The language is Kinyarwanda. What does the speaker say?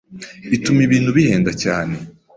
ituma ibintu bihenda cyane